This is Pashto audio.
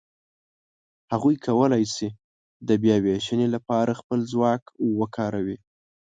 هغوی کولای شي د بیاوېشنې لهپاره خپل ځواک وکاروي.